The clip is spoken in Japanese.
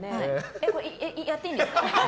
えっ、やっていいんですか？